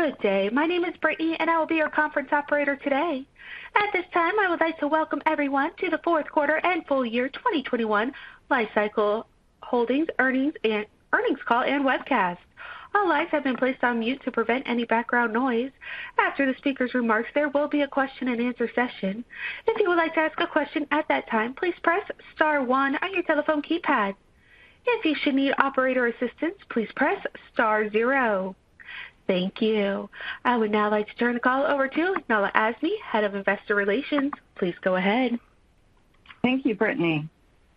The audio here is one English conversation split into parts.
Good day. My name is Brittany, and I will be your conference operator today. At this time, I would like to welcome everyone to the Fourth Quarter and Full Year 2021 Li-Cycle Earnings Call and Webcast. All lines have been placed on mute to prevent any background noise. After the speaker's remarks, there will be a question-and-answer session. If you would like to ask a question at that time, please press star one on your telephone keypad. If you should need operator assistance, please press star zero. Thank you. I would now like to turn the call over to Nahla Azmy, Head of Investor Relations. Please go ahead. Thank you, Brittany.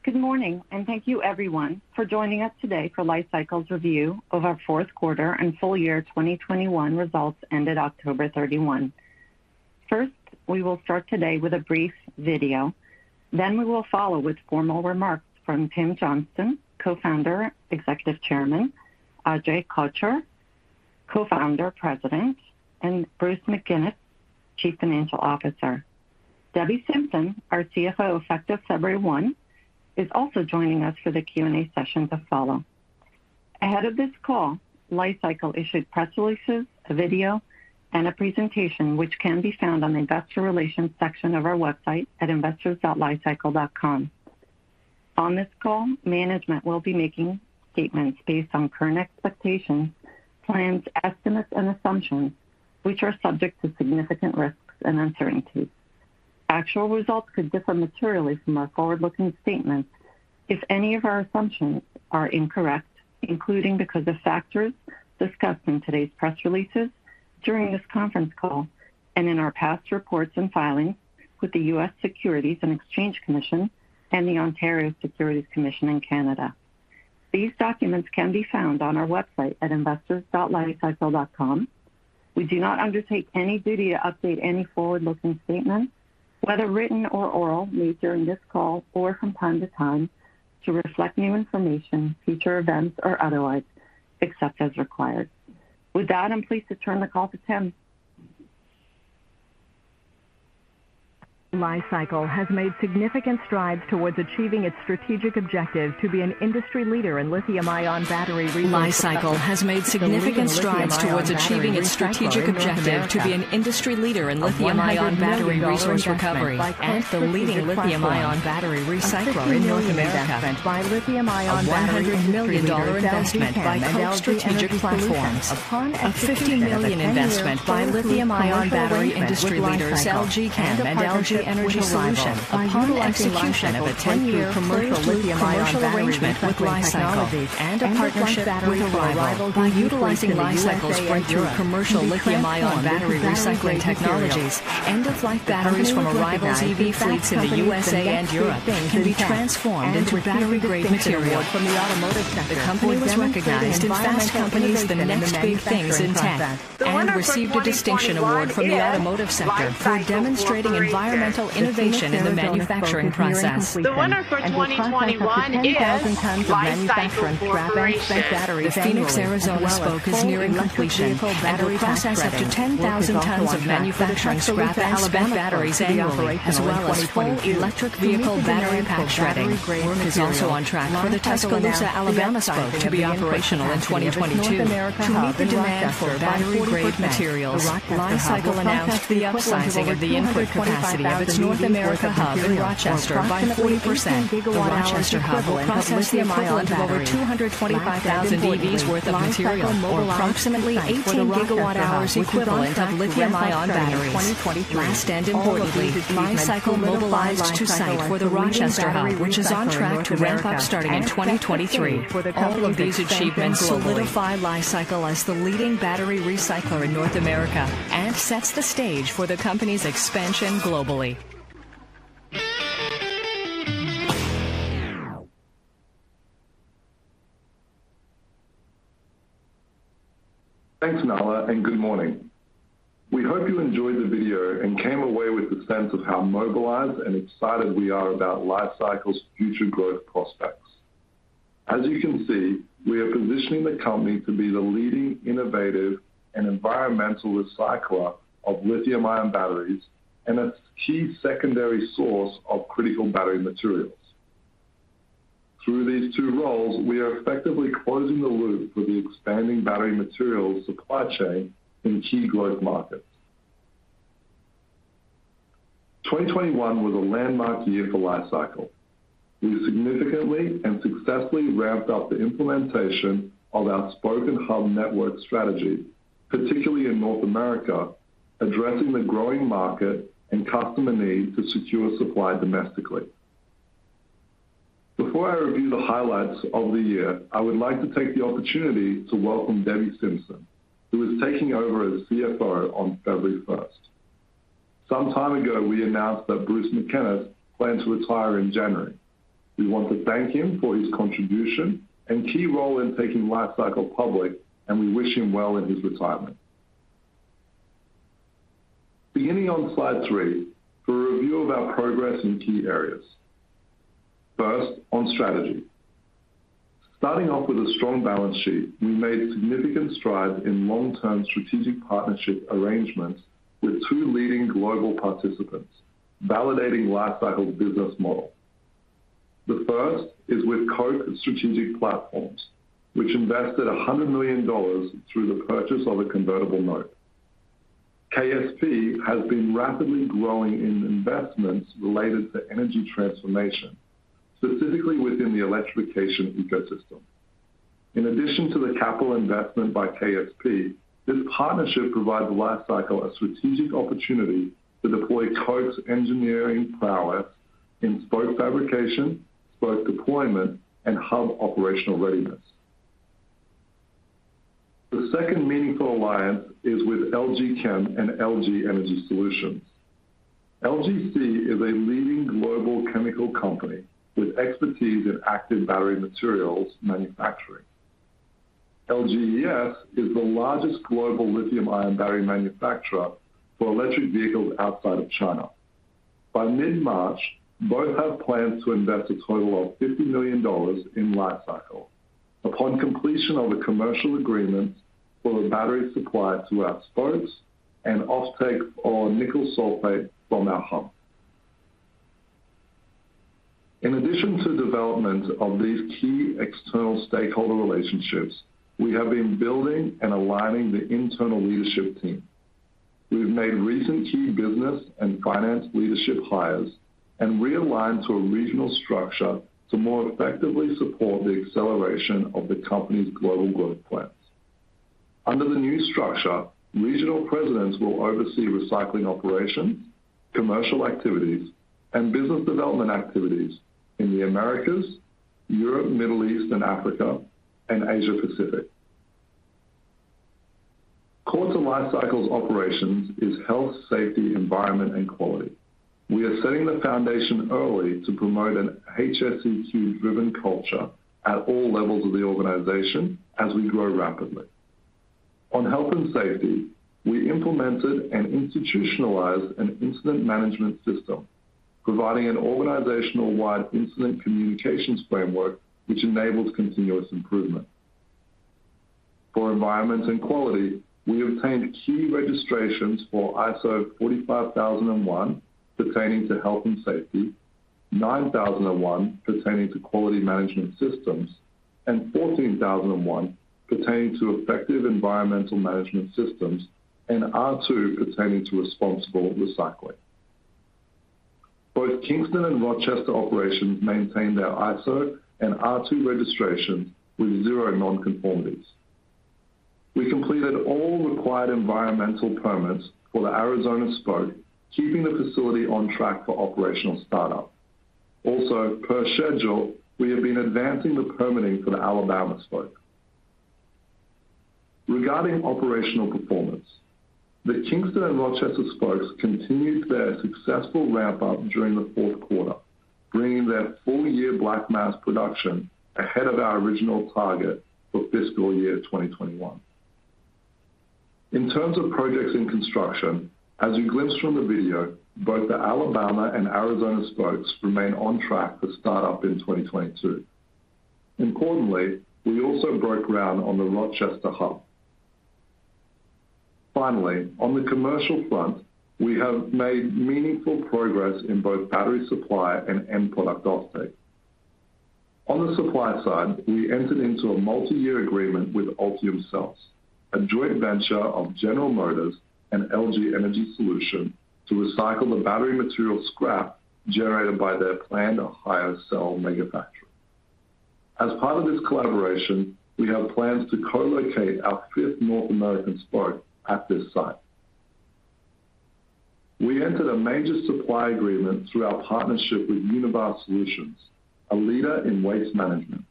Good morning, and thank you, everyone, for joining us today for Li-Cycle's review of our Fourth Quarter and Full Year 2021 Results ended October 31. First, we will start today with a brief video. Then we will follow with formal remarks from Tim Johnston, Co-founder, Executive Chairman, Ajay Kochhar, Co-founder, President, and Bruce MacInnis, Chief Financial Officer. Debbie Simpson, our CFO, effective February 1, is also joining us for the Q&A session to follow. Ahead of this call, Li-Cycle issued press releases, a video, and a presentation, which can be found on the investor relations section of our website at investors.li-cycle.com. On this call, management will be making statements based on current expectations, plans, estimates, and assumptions, which are subject to significant risks and uncertainties. Actual results could differ materially from our forward-looking statements if any of our assumptions are incorrect, including because of factors discussed in today's press releases, during this conference call, and in our past reports and filings with the U.S. Securities and Exchange Commission and the Ontario Securities Commission in Canada. These documents can be found on our website at investors.li-cycle.com. We do not undertake any duty to update any forward-looking statement, whether written or oral, made during this call or from time to time to reflect new information, future events, or otherwise, except as required. With that, I'm pleased to turn the call to Tim. Li-Cycle has made significant strides towards achieving its strategic objective to be an industry leader in lithium-ion battery resource recovery and the leading lithium-ion battery recycler in North America, a $100 million investment by Koch Strategic Platforms, a $50 million investment by lithium-ion battery and battery pack manufacturers, LG Chem and LG Energy Solution upon execution of a 10-year privileged commercial arrangement with Li-Cycle and a partnership with Arrival. By utilizing Li-Cycle's breakthrough commercial lithium-ion battery recycling technologies, end-of-life batteries, Arrival's EV fleets in the U.S. and Europe can be transformed into battery-grade material. The company was recognized in Fast Company's Next Big Things in Tech and received a distinction award from the automotive sector for demonstrating environmental innovation in the manufacturing process. The winner for 2021 is Li-Cycle Corporation. The Phoenix, Arizona Spoke is nearing completion and will process up to 10,000 tons of manufacturing scrap batteries annually, as well as full electric vehicle battery pack shredding. Work is also on track for the Tuscaloosa, Alabama Spoke to be operational in 2022. To meet the demand for battery-grade materials, Li-Cycle announced the upsizing of the input capacity of its North American Hub in Rochester by 40%. The Rochester Hub will process the equivalent of over 225,000 EVs worth of material, or approximately 18 GWh equivalent of lithium-ion batteries. Last and importantly, Li-Cycle mobilized to site for the Rochester Hub, which is on track to ramp up starting in 2023. All of these achievements solidify Li-Cycle as the leading battery recycler in North America and sets the stage for the company's expansion globally. Thanks, Nahla, and good morning. We hope you enjoyed the video and came away with the sense of how mobilized and excited we are about Li-Cycle's future growth prospects. As you can see, we are positioning the company to be the leading innovative and environmental recycler of lithium-ion batteries and a key secondary source of critical battery materials. Through these two roles, we are effectively closing the loop for the expanding battery material supply chain in key growth markets. 2021 was a landmark year for Li-Cycle. We significantly and successfully ramped up the implementation of our Spoke & Hub network strategy, particularly in North America, addressing the growing market and customer need to secure supply domestically. Before I review the highlights of the year, I would like to take the opportunity to welcome Debbie Simpson, who is taking over as CFO on February 1st. Some time ago, we announced that Bruce MacInnis planned to retire in January. We want to thank him for his contribution and key role in taking Li-Cycle public, and we wish him well in his retirement. Beginning on slide three, for a review of our progress in key areas. First, on strategy. Starting off with a strong balance sheet, we made significant strides in long-term strategic partnership arrangements with two leading global participants, validating Li-Cycle's business model. The first is with Koch Strategic Platforms, which invested $100 million through the purchase of a convertible note. KSP has been rapidly growing in investments related to energy transformation, specifically within the electrification ecosystem. In addition to the capital investment by KSP, this partnership provides Li-Cycle a strategic opportunity to deploy Koch's engineering prowess in Spoke fabrication, Spoke deployment, and Hub operational readiness. The second meaningful alliance is with LG Chem and LG Energy Solution. LGC is a leading global chemical company with expertise in active battery materials manufacturing. LGES is the largest global lithium-ion battery manufacturer for electric vehicles outside of China. By mid-March, both have plans to invest a total of $50 million in Li-Cycle upon completion of the commercial agreements for the battery supply to our Spokes and offtake on nickel sulfate from our Hub. In addition to development of these key external stakeholder relationships, we have been building and aligning the internal leadership team. We've made recent key business and finance leadership hires and realigned to a regional structure to more effectively support the acceleration of the company's global growth plans. Under the new structure, regional presidents will oversee recycling operations, commercial activities, and business development activities in the Americas, Europe, Middle East and Africa, and Asia Pacific. Core to Li-Cycle's operations is health, safety, environment, and quality. We are setting the foundation early to promote an HSEQ-driven culture at all levels of the organization as we grow rapidly. On health and safety, we implemented and institutionalized an incident management system, providing an organizational-wide incident communications framework which enables continuous improvement. For environment and quality, we obtained key registrations for ISO 45001 pertaining to health and safety, ISO 9001 pertaining to quality management systems, and ISO 14001 pertaining to effective environmental management systems, and R2 pertaining to responsible recycling. Both Kingston and Rochester operations maintained their ISO and R2 registrations with zero non-conformities. We completed all required environmental permits for the Arizona Spoke, keeping the facility on track for operational startup. Also, per schedule, we have been advancing the permitting for the Alabama Spoke. Regarding operational performance, the Kingston and Rochester Spokes continued their successful ramp-up during the fourth quarter, bringing their full-year black mass production ahead of our original target for fiscal year 2021. In terms of projects in construction, as you glimpsed from the video, both the Alabama and Arizona Spokes remain on track for startup in 2022. Importantly, we also broke ground on the Rochester Hub. Finally, on the commercial front, we have made meaningful progress in both battery supply and end product offtake. On the supply side, we entered into a multi-year agreement with Ultium Cells, a joint venture of General Motors and LG Energy Solution, to recycle the battery material scrap generated by their planned Ohio cell mega factory. As part of this collaboration, we have plans to co-locate our fifth North American Spoke at this site. We entered a major supply agreement through our partnership with Univar Solutions, a leader in waste management.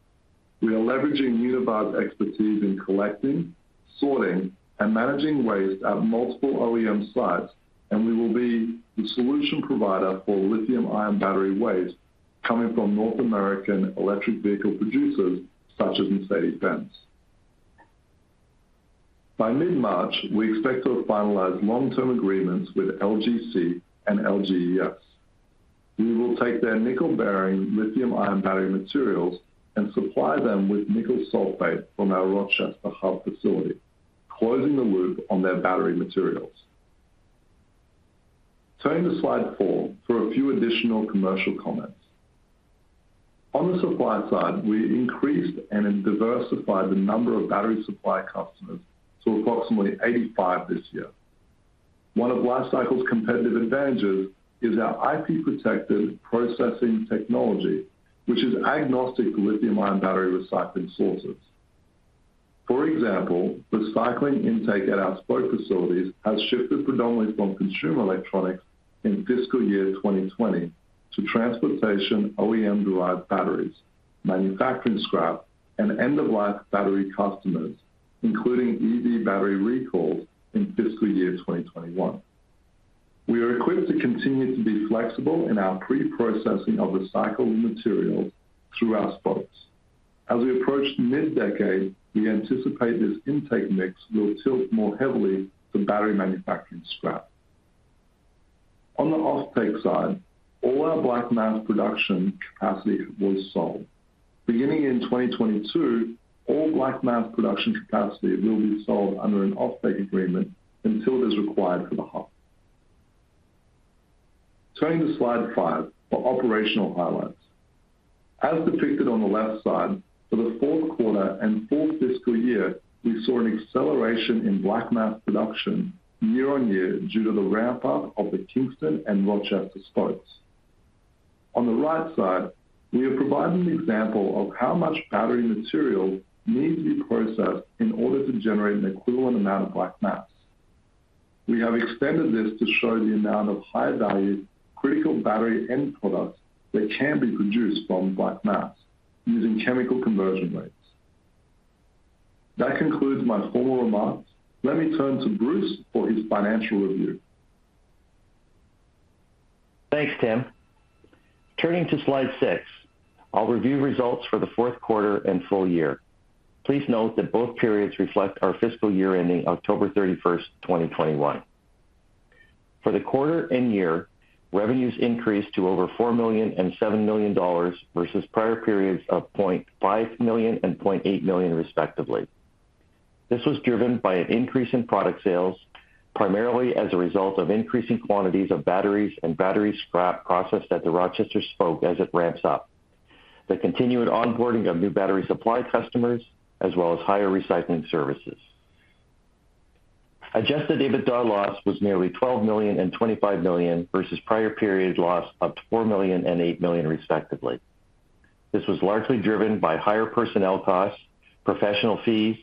We are leveraging Univar's expertise in collecting, sorting, and managing waste at multiple OEM sites, and we will be the solution provider for lithium-ion battery waste coming from North American electric vehicle producers such as Mercedes-Benz. By mid-March, we expect to have finalized long-term agreements with LGC and LGES. We will take their nickel-bearing lithium-ion battery materials and supply them with nickel sulfate from our Rochester Hub facility, closing the loop on their battery materials. Turning to slide four for a few additional commercial comments. On the supply side, we increased and diversified the number of battery supply customers to approximately 85 this year. One of Li-Cycle's competitive advantages is our IP-protected processing technology, which is agnostic to lithium-ion battery recycling sources. For example, the cycling intake at our Spoke facilities has shifted predominantly from consumer electronics in fiscal year 2020 to transportation OEM-derived batteries, manufacturing scrap, and end-of-life battery customers, including EV battery recalls in fiscal year 2021. We are equipped to continue to be flexible in our pre-processing of recycled material through our Spokes. As we approach mid-decade, we anticipate this intake mix will tilt more heavily to battery manufacturing scrap. On the offtake side, all our black mass production capacity was sold. Beginning in 2022, all black mass production capacity will be sold under an offtake agreement until it is required for the Hub. Turning to slide five for operational highlights. As depicted on the left side, for the fourth quarter and fourth fiscal year, we saw an acceleration in black mass production year-over-year due to the ramp up of the Kingston and Rochester Spokes. On the right side, we are providing an example of how much battery material needs to be processed in order to generate an equivalent amount of black mass. We have extended this to show the amount of high value critical battery end products that can be produced from black mass using chemical conversion rates. That concludes my formal remarks. Let me turn to Bruce for his financial review. Thanks, Tim. Turning to slide six. I'll review results for the fourth quarter and full year. Please note that both periods reflect our fiscal year ending October 31st, 2021. For the quarter and year, revenues increased to over $4 million and $7 million versus prior periods of $0.5 million and $0.8 million, respectively. This was driven by an increase in product sales, primarily as a result of increasing quantities of batteries and battery scrap processed at the Rochester Spoke as it ramps up, the continued onboarding of new battery supply customers, as well as higher recycling services. Adjusted EBITDA loss was nearly $12 million and $25 million versus prior period loss of $4 million and $8 million, respectively. This was largely driven by higher personnel costs, professional fees,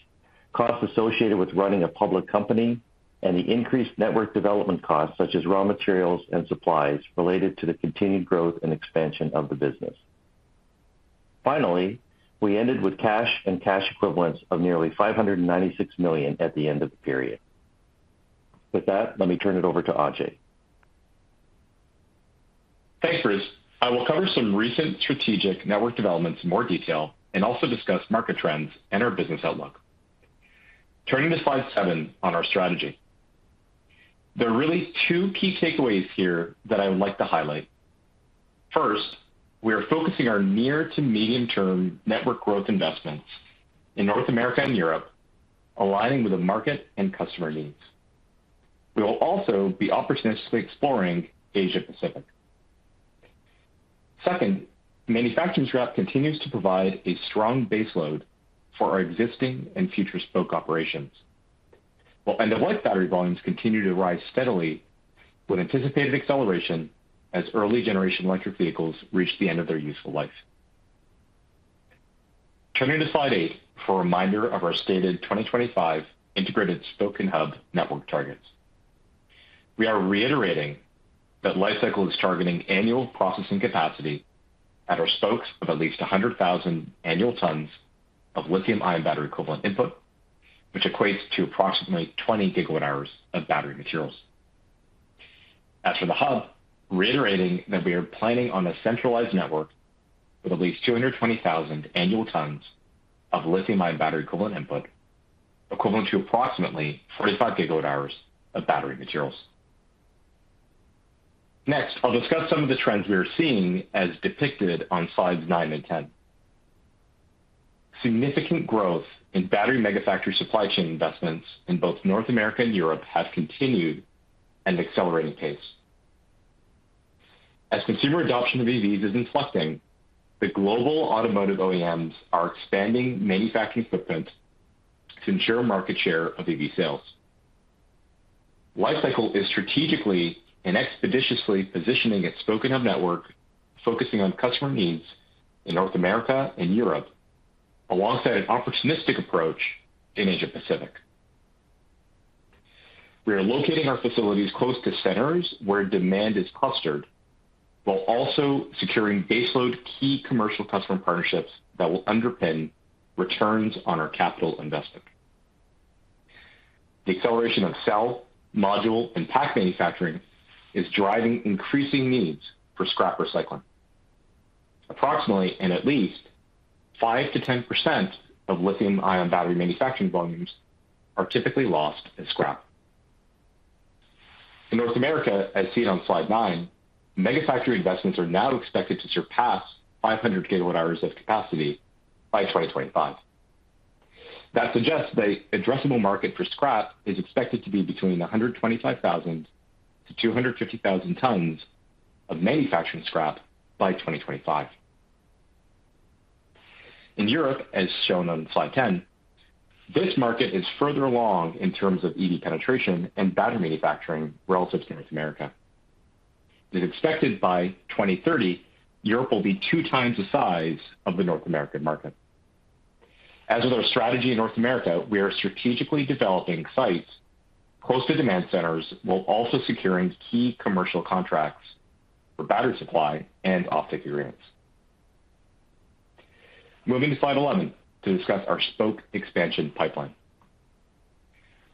costs associated with running a public company, and the increased network development costs such as raw materials and supplies related to the continued growth and expansion of the business. Finally, we ended with cash and cash equivalents of nearly $596 million at the end of the period. With that, let me turn it over to Ajay. Thanks, Bruce. I will cover some recent strategic network developments in more detail and also discuss market trends and our business outlook. Turning to slide 7 on our strategy. There are really two key takeaways here that I would like to highlight. First, we are focusing our near to medium term network growth investments in North America and Europe, aligning with the market and customer needs. We will also be opportunistically exploring Asia-Pacific. Second, manufacturing scrap continues to provide a strong baseload for our existing and future Spoke operations, while end-of-life battery volumes continue to rise steadily with anticipated acceleration as early generation electric vehicles reach the end of their useful life. Turning to slide eight for a reminder of our stated 2025 integrated Spoke and Hub network targets. We are reiterating that Li-Cycle is targeting annual processing capacity at our spokes of at least 100,000 annual tons of lithium-ion battery equivalent input, which equates to approximately 20 GWh of battery materials. As for the hub, reiterating that we are planning on a centralized network with at least 220,000 annual tons of lithium-ion battery equivalent input, equivalent to approximately 45 GWh of battery materials. Next, I'll discuss some of the trends we are seeing as depicted on slides nine and 10. Significant growth in battery mega factory supply chain investments in both North America and Europe have continued at an accelerating pace. As consumer adoption of EVs is inflecting, the global automotive OEMs are expanding manufacturing footprints to ensure market share of EV sales. Li-Cycle is strategically and expeditiously positioning its Spoke-and-Hub network, focusing on customer needs in North America and Europe, alongside an opportunistic approach in Asia-Pacific. We are locating our facilities close to centers where demand is clustered while also securing baseload key commercial customer partnerships that will underpin returns on our capital investment. The acceleration of cell, module, and pack manufacturing is driving increasing needs for scrap recycling. Approximately 5%-10% of lithium-ion battery manufacturing volumes are typically lost as scrap. In North America, as seen on slide nine, mega factory investments are now expected to surpass 500 GWh of capacity by 2025. That suggests the addressable market for scrap is expected to be between 125,000-250,000 tons of manufacturing scrap by 2025. In Europe, as shown on slide 10, this market is further along in terms of EV penetration and battery manufacturing relative to North America. It is expected by 2030, Europe will be two times the size of the North American market. As with our strategy in North America, we are strategically developing sites close to demand centers while also securing key commercial contracts for battery supply and off-take agreements. Moving to slide 11 to discuss our Spoke expansion pipeline.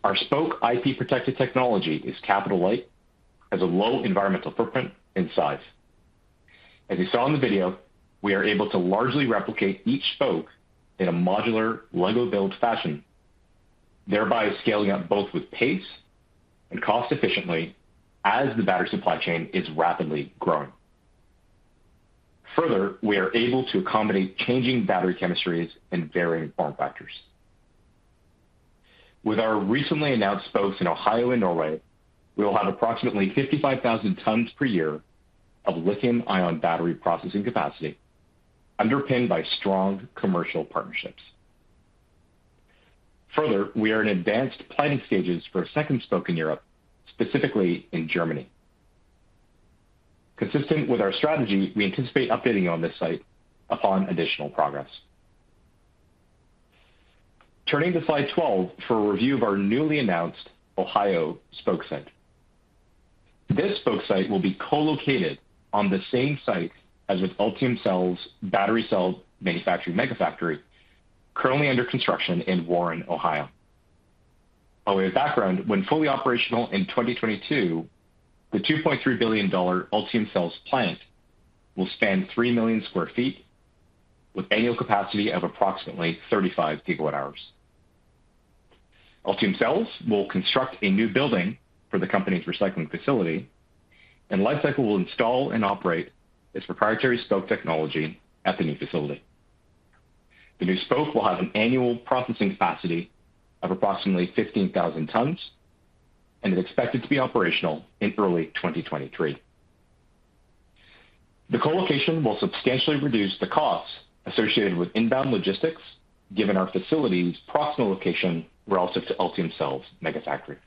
Our Spoke IP-protected technology is capital light, has a low environmental footprint and size. As you saw in the video, we are able to largely replicate each Spoke in a modular Lego build fashion, thereby scaling up both with pace and cost efficiently as the battery supply chain is rapidly growing. Further, we are able to accommodate changing battery chemistries and varying form factors. With our recently announced Spokes in Ohio and Norway, we will have approximately 55,000 tons per year of lithium-ion battery processing capacity underpinned by strong commercial partnerships. Further, we are in advanced planning stages for a second Spoke in Europe, specifically in Germany. Consistent with our strategy, we anticipate updating you on this site upon additional progress. Turning to slide 12 for a review of our newly announced Ohio Spoke site. This Spoke site will be co-located on the same site as with Ultium Cells battery cell manufacturing mega factory currently under construction in Warren, Ohio. By way of background, when fully operational in 2022, the $2.3 billion Ultium Cells plant will span 3 million sq ft with annual capacity of approximately 35 GWh. Ultium Cells will construct a new building for the company's recycling facility, and Li-Cycle will install and operate its proprietary Spoke technology at the new facility. The new Spoke will have an annual processing capacity of approximately 15,000 tons, and is expected to be operational in early 2023. The co-location will substantially reduce the costs associated with inbound logistics given our facility's proximal location relative to Ultium Cells mega factory.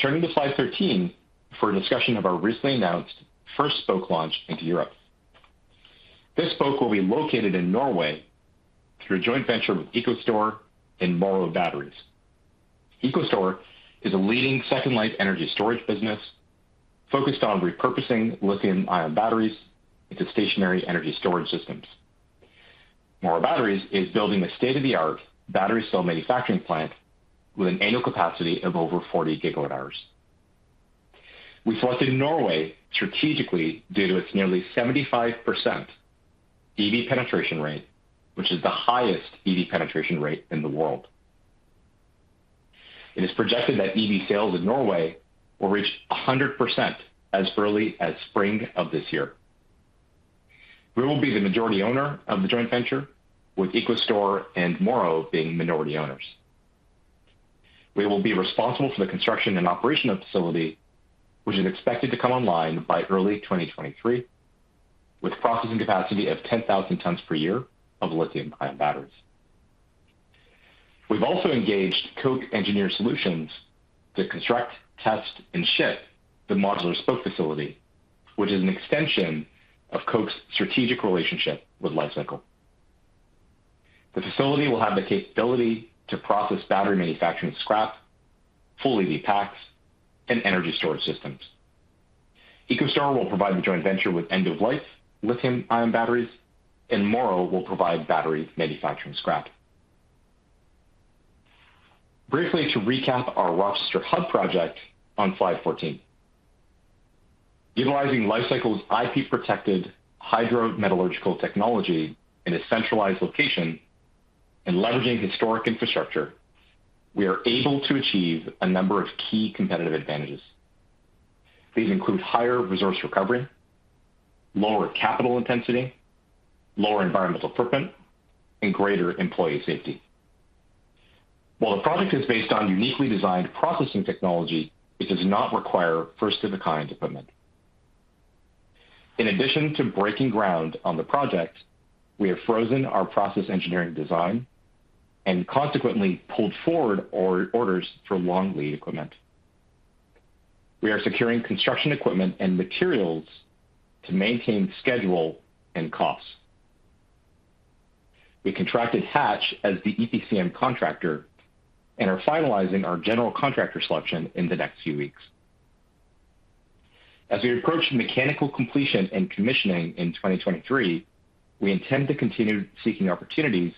Turning to slide 13 for a discussion of our recently announced first Spoke launch into Europe. This Spoke will be located in Norway through a joint venture with ECO STOR and Morrow Batteries. ECO STOR is a leading second-life energy storage business focused on repurposing lithium-ion batteries into stationary energy storage systems. Morrow Batteries is building a state-of-the-art battery cell manufacturing plant with an annual capacity of over 40 GWh. We selected Norway strategically due to its nearly 75% EV penetration rate, which is the highest EV penetration rate in the world. It is projected that EV sales in Norway will reach 100% as early as spring of this year. We will be the majority owner of the joint venture with ECO STOR and Morrow Batteries being minority owners. We will be responsible for the construction and operation of the facility, which is expected to come online by early 2023, with processing capacity of 10,000 tons per year of lithium-ion batteries. We've also engaged Koch Engineered Solutions to construct, test and ship the modular Spoke facility, which is an extension of Koch's strategic relationship with Li-Cycle. The facility will have the capability to process battery manufacturing scrap, full EV packs, and energy storage systems. ECO STOR will provide the joint venture with end-of-life lithium-ion batteries, and Morrow Batteries will provide battery manufacturing scrap. Briefly, to recap our Rochester Hub project on slide 14. Utilizing Li-Cycle's IP-protected hydrometallurgical technology in a centralized location and leveraging historic infrastructure, we are able to achieve a number of key competitive advantages. These include higher resource recovery, lower capital intensity, lower environmental footprint, and greater employee safety. While the project is based on uniquely designed processing technology, it does not require first-of-a-kind equipment. In addition to breaking ground on the project, we have frozen our process engineering design and consequently pulled forward our orders for long lead equipment. We are securing construction equipment and materials to maintain schedule and costs. We contracted Hatch as the EPCM contractor and are finalizing our general contractor selection in the next few weeks. As we approach mechanical completion and commissioning in 2023, we intend to continue seeking opportunities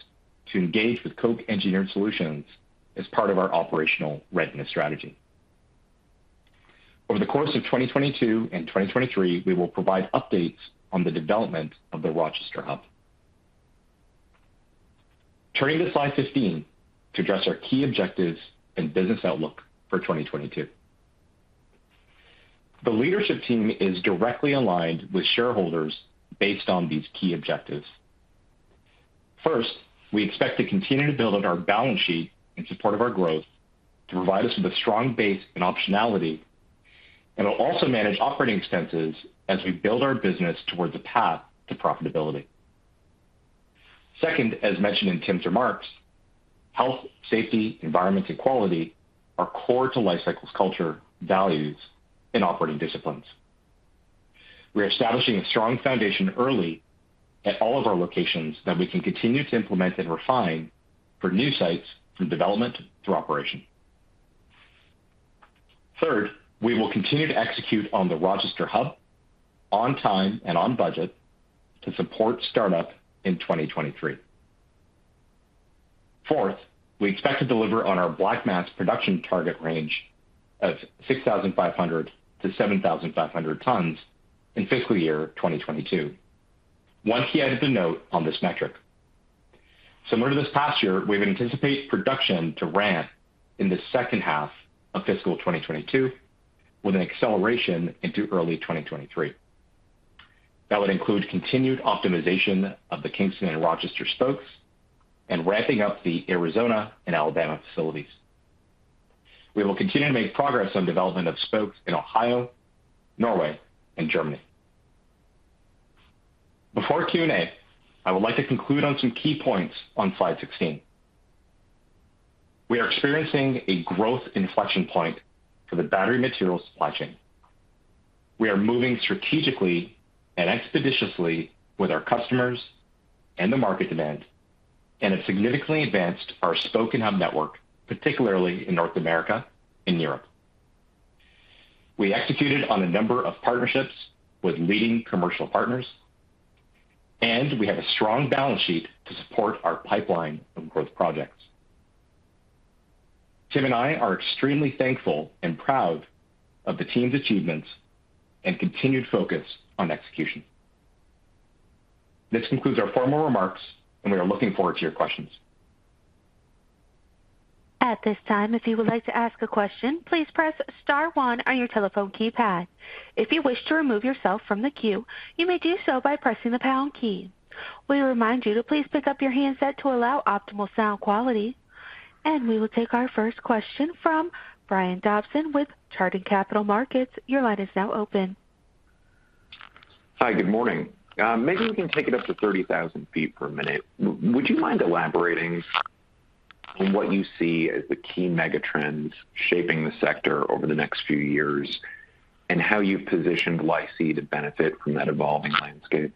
to engage with Koch Engineered Solutions as part of our operational readiness strategy. Over the course of 2022 and 2023, we will provide updates on the development of the Rochester Hub. Turning to slide 15 to address our key objectives and business outlook for 2022. The leadership team is directly aligned with shareholders based on these key objectives. First, we expect to continue to build out our balance sheet in support of our growth to provide us with a strong base and optionality, and we'll also manage operating expenses as we build our business towards a path to profitability. Second, as mentioned in Tim's remarks, health, safety, environment, and quality are core to Li-Cycle's culture, values, and operating disciplines. We are establishing a strong foundation early at all of our locations that we can continue to implement and refine for new sites from development through operation. Third, we will continue to execute on the Rochester Hub on time and on budget to support startup in 2023. Fourth, we expect to deliver on our black mass production target range of 6,500-7,500 tons in fiscal year 2022. One key item to note on this metric. Similar to this past year, we would anticipate production to ramp in the second half of fiscal 2022, with an acceleration into early 2023. That would include continued optimization of the Kingston and Rochester Spokes and ramping up the Arizona and Alabama facilities. We will continue to make progress on development of Spokes in Ohio, Norway and Germany. Before Q&A, I would like to conclude on some key points on slide 16. We are experiencing a growth inflection point for the battery materials supply chain. We are moving strategically and expeditiously with our customers and the market demand and have significantly advanced our Spoke and Hub network, particularly in North America and Europe. We executed on a number of partnerships with leading commercial partners, and we have a strong balance sheet to support our pipeline of growth projects. Tim and I are extremely thankful and proud of the team's achievements and continued focus on execution. This concludes our formal remarks, and we are looking forward to your questions. At this time, if you would like to ask a question, please press star one on your telephone keypad. If you wish to remove yourself from the queue, you may do so by pressing the pound key. We remind you to please pick up your handset to allow optimal sound quality. We will take our first question from Brian Dobson with Chardan Capital Markets. Your line is now open. Hi. Good morning. Maybe we can take it up to 30,000 feet per minute. Would you mind elaborating on what you see as the key mega trends shaping the sector over the next few years and how you've positioned LYC to benefit from that evolving landscape?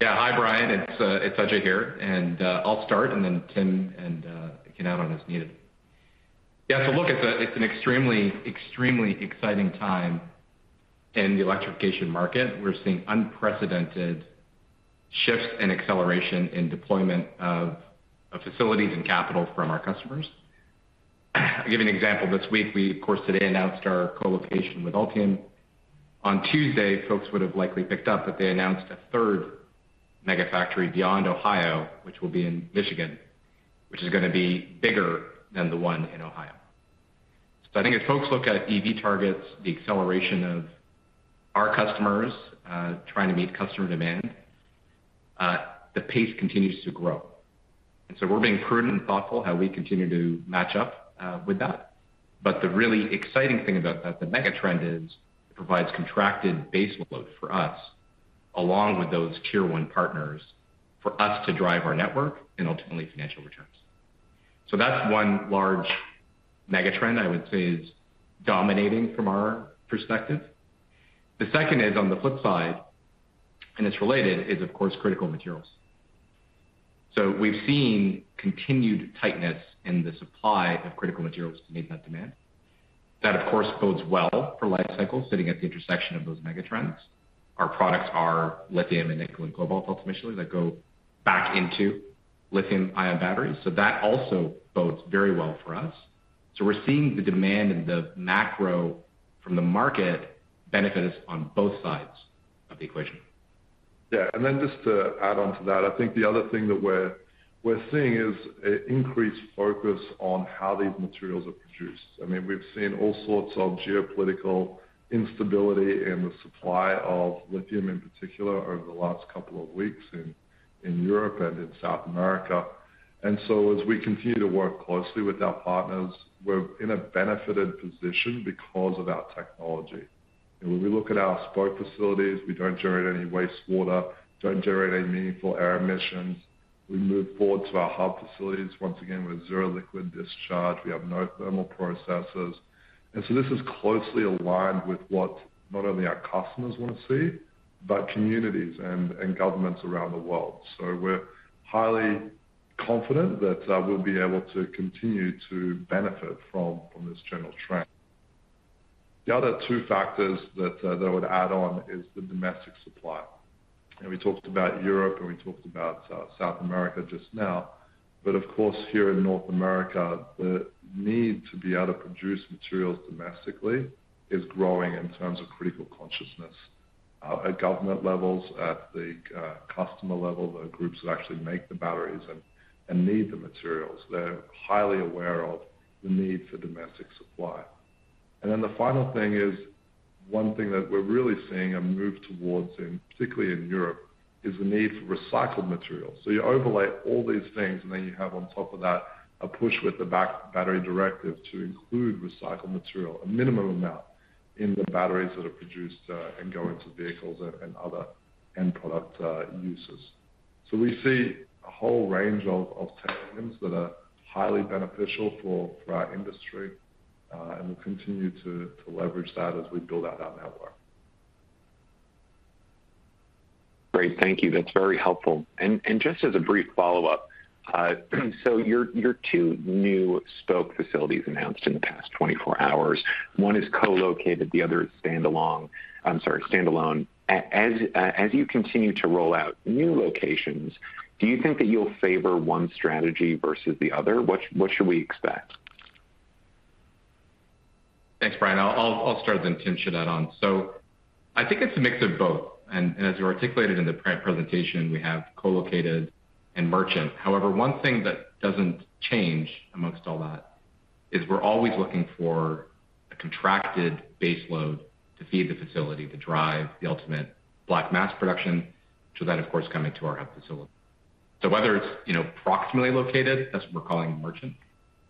Yeah. Hi, Brian. It's Ajay here, and I'll start and then Tim can add on as needed. Yeah. So look, it's an extremely exciting time in the electrification market. We're seeing unprecedented shifts and acceleration in deployment of facilities and capital from our customers. I'll give you an example. This week, we of course today announced our co-location with Ultium. On Tuesday, folks would have likely picked up that they announced a third mega factory beyond Ohio, which will be in Michigan, which is gonna be bigger than the one in Ohio. So I think as folks look at EV targets, the acceleration of our customers trying to meet customer demand, the pace continues to grow. We're being prudent and thoughtful how we continue to match up with that. The really exciting thing about that, the mega trend is, it provides contracted base load for us, along with those tier one partners, for us to drive our network and ultimately financial returns. That's one large mega trend I would say is dominating from our perspective. The second is on the flip side, and it's related, is of course critical materials. We've seen continued tightness in the supply of critical materials to meet that demand. That, of course, bodes well for Li-Cycle sitting at the intersection of those mega trends. Our products are lithium and nickel and cobalt ultimately that go back into lithium-ion batteries, so that also bodes very well for us. We're seeing the demand and the macro from the market benefit us on both sides of the equation. Yeah. Then just to add on to that, I think the other thing that we're seeing is an increased focus on how these materials are produced. I mean, we've seen all sorts of geopolitical instability in the supply of lithium, in particular over the last couple of weeks in Europe and South America. As we continue to work closely with our partners, we're in a benefited position because of our technology. When we look at our Spoke facilities, we don't generate any wastewater, don't generate any meaningful air emissions. We move forward to our Hub facilities, once again with zero liquid discharge. We have no thermal processes. This is closely aligned with what not only our customers want to see, but communities and governments around the world. We're highly confident that we'll be able to continue to benefit from this general trend. The other two factors that I would add on is the domestic supply. We talked about Europe and we talked about South America just now, but of course, here in North America, the need to be able to produce materials domestically is growing in terms of critical consciousness at government levels, at the customer level, the groups that actually make the batteries and need the materials. They're highly aware of the need for domestic supply. Then the final thing is, one thing that we're really seeing a move towards in, particularly in Europe, is the need for recycled materials. You overlay all these things, and then you have on top of that a push with the EU Battery Directive to include recycled material, a minimum amount in the batteries that are produced, and go into vehicles and other end product uses. We see a whole range of tailwinds that are highly beneficial for our industry, and we'll continue to leverage that as we build out our network. Great. Thank you. That's very helpful. Just as a brief follow-up, so your two new Spoke facilities announced in the past 24 hours, one is co-located, the other is standalone. I'm sorry, standalone. As you continue to roll out new locations, do you think that you'll favor one strategy versus the other? What should we expect? Thanks, Brian. I'll start then Tim should add on. I think it's a mix of both. As we articulated in the pre-presentation, we have co-located and merchant. However, one thing that doesn't change among all that is we're always looking for a contracted baseload to feed the facility, to drive the ultimate black mass production to then, of course, come into our hub facility. Whether it's, you know, proximately located, that's what we're calling merchant,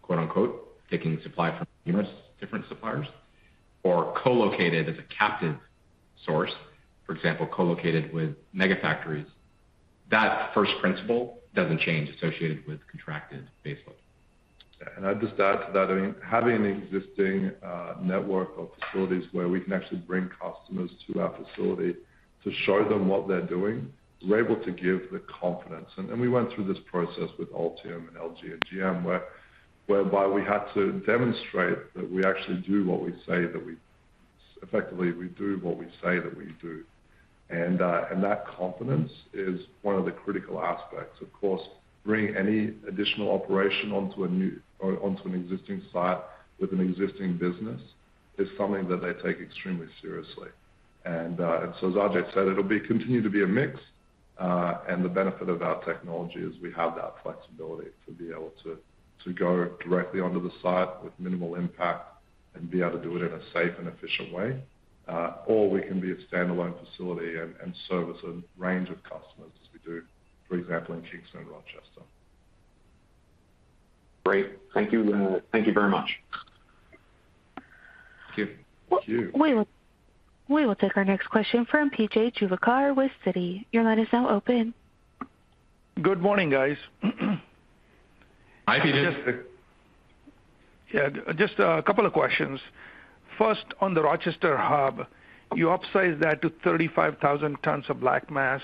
quote-unquote, "taking supply from numerous different suppliers" or co-located as a captive source, for example, co-located with mega factories. That first principle doesn't change associated with contracted baseload. Yeah. I'll just add to that. I mean, having an existing network of facilities where we can actually bring customers to our facility to show them what they're doing, we're able to give the confidence. We went through this process with Ultium and LG and GM whereby we had to demonstrate that we actually do what we say we do. That confidence is one of the critical aspects. Of course, bringing any additional operation onto a new or onto an existing site with an existing business is something that they take extremely seriously. As Ajay said, it'll continue to be a mix. The benefit of our technology is we have that flexibility to be able to go directly onto the site with minimal impact and be able to do it in a safe and efficient way. Or we can be a standalone facility and service a range of customers as we do, for example, in Kingston and Rochester. Great. Thank you. Thank you very much. Thank you. We will take our next question from PJ Juvekar with Citi. Your line is now open. Good morning, guys. Hi, PJ. Yeah, just a couple of questions. First, on the Rochester Hub, you upsized that to 35,000 tons of black mass,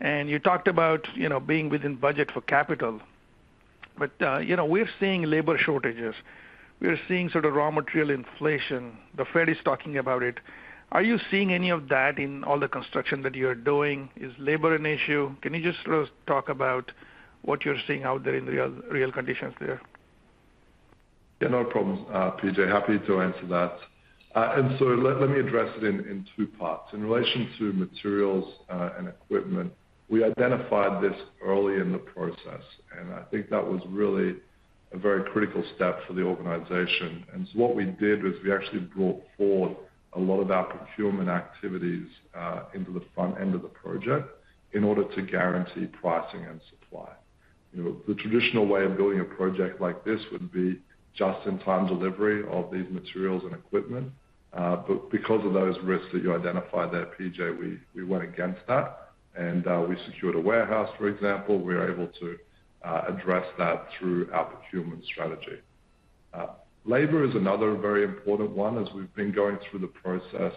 and you talked about, you know, being within budget for capital. But, you know, we're seeing labor shortages. We're seeing sort of raw material inflation. The Fed is talking about it. Are you seeing any of that in all the construction that you're doing? Is labor an issue? Can you just sort of talk about what you're seeing out there in the real conditions there? Yeah, no problems, PJ. Happy to answer that. Let me address it in two parts. In relation to materials and equipment, we identified this early in the process, and I think that was really a very critical step for the organization. What we did was we actually brought forward a lot of our procurement activities into the front end of the project in order to guarantee pricing and supply. You know, the traditional way of building a project like this would be just-in-time delivery of these materials and equipment. Because of those risks that you identified there, PJ, we went against that and we secured a warehouse, for example. We were able to address that through our procurement strategy. Labor is another very important one as we've been going through the process